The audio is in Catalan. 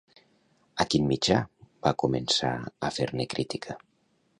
A quin mitjà va començar a fer-ne crítica?